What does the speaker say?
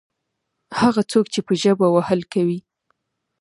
هغه څوک چې په ژبه وهل کوي.